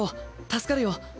助かるよ。